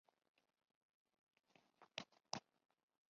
络蛱蝶属是蛱蝶亚科网蛱蝶族中的一个属。